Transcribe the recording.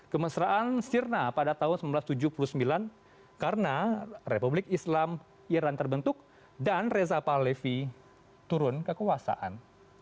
kemesraan sirna pada tahun seribu sembilan ratus tujuh puluh sembilan karena republik islam iran terbentuk dan reza palevi turun kekuasaan